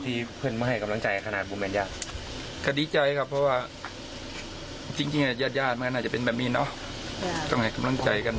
แต่ว่าสุดท้ายมันเจอแบบนี้นะ